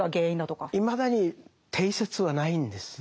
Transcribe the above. いまだに定説はないんです。